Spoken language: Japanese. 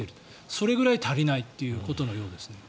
それぐらい足りないということのようですね。